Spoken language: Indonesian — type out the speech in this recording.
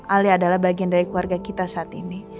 ali adalah bagian dari keluarga kita saat ini